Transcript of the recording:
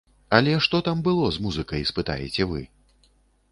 Але што там было з музыкай, спытаеце вы?